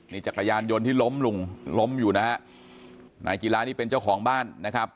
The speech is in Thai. นี่จักรยานยนต์ที่ล้มลุงล้มอยู่นะฮะนายกีฬานี่เป็นเจ้าของบ้านนะครับ